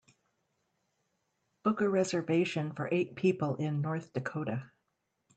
Book a reservation for eight people in North Dakota